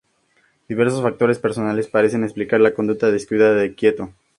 Diversos factores personales parecen explicar la conducta descuidada de Quieto.